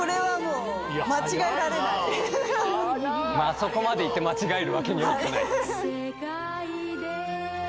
・そこまで言って間違えるわけにはいかない。